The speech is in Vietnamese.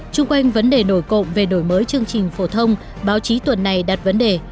trung quanh vấn đề nổi cộng về đổi mới chương trình phổ thông báo chí tuần này đặt vấn đề